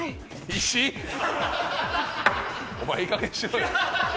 お前いいかげんにしろよ。